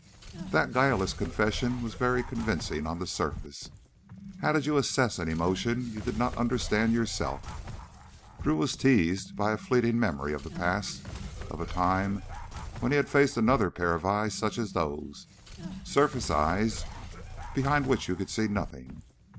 That guileless confession was very convincing on the surface. How did you assess an emotion you did not understand yourself? Drew was teased by a fleeting memory of the past, of a time when he had faced another pair of eyes such as those, surface eyes behind which you could see nothing.